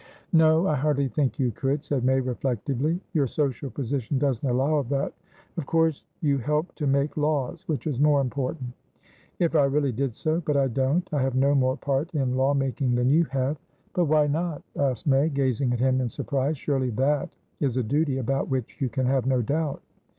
"No, I hardly think you could," said May, reflectively. "Your social position doesn't allow of that. Of course you help to make laws, which is more important." "If I really did so; but I don't. I have no more part in law making than you have." "But, why not?" asked May, gazing at him in surprise. "Surely that is a duty about which you can have no doubt."